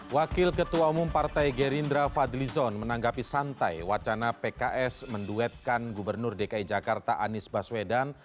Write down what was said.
wakil ketua umum partai gerindra fadli zon menanggapi santai wacana pks menduetkan gubernur dki jakarta anies baswedan